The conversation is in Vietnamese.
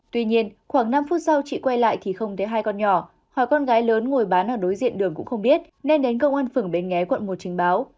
tuy nhiên khoảng năm phút sau chị quay lại thì không thấy hai con nhỏ hòa con gái lớn ngồi bán ở đối diện đường cũng không biết nên đến công an phường bến nghé quận một trình báo